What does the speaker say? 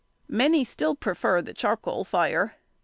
] Many still prefer the charcoal fire.